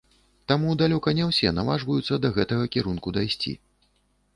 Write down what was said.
Таму далёка не ўсе наважваюцца да гэтага кірунку дайсці.